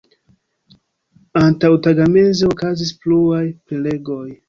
Antaŭtagmeze okazis pluaj prelegoj.